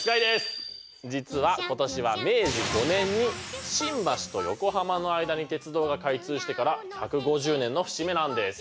実は今年は明治５年に新橋と横浜の間に鉄道が開通してから１５０年の節目なんです。